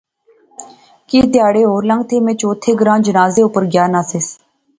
کی تہاڑے ہور لنگتھے، میں چوتھے گراں جنازے اپر گیا ناں سیس